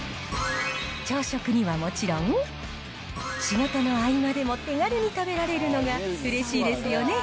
朝食にはもちろん、仕事の合間でも手軽に食べられるのがうれしいですよね。